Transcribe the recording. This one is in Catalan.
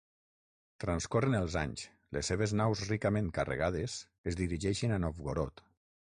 Transcorren els anys; les seves naus ricament carregades es dirigeixen a Novgorod.